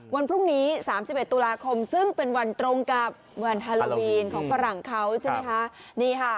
วันพรุ่งนี้๓๑ตุลาคมซึ่งเป็นวันตรงกับวันฮาโลวีนของฝรั่งเขาใช่ไหมคะ